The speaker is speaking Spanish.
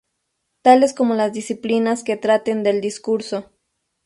Tales como las disciplinas que traten del discurso.